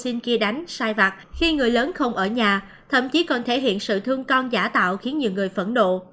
nói chung là người kia đánh sai vặt khi người lớn không ở nhà thậm chí còn thể hiện sự thương con giả tạo khiến nhiều người phẫn nộ